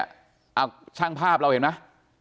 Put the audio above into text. อ้าวช่างภาพเราเห็นมั้ย